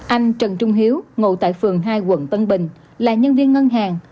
anh trần trung hiếu ngụ tại phường hai quận tân bình là nhân viên ngân hàng